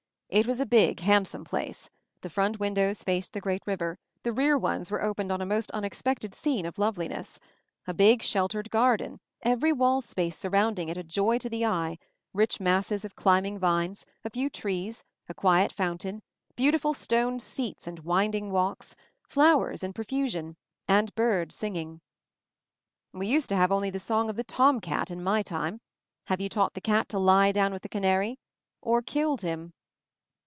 It was a big, handsome place. The front windows faced the great river, the rear ones opened on a most unexpected scene of love liness. A big sheltered garden, every wall space surrounding it a joy to the eye — rich masses of climbing vines, a few trees, a quiet fountain, beautiful stone seats and winding walks, flowers in profusion, and birds sing ing. "We used to have only the song of the tomcat in my time. Have you taught the cat to lie down with the canary — or killed him?"